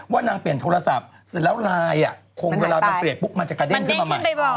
ว่านางเปลี่ยนโทรศัพท์แล้วไลน์คงเวลาเปลี่ยนมันจะกระเด้งขึ้นมาใหม่